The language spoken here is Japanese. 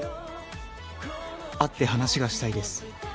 「会って話がしたいです」